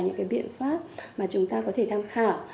những cái biện pháp mà chúng ta có thể tham khảo